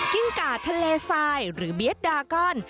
กิ้งกาทะเลทรายหรือเบียดดาก้อน